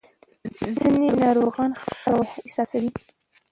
ځینې ناروغان ښه والی احساسوي.